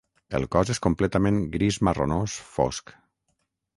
El cos és completament gris-marronós fosc.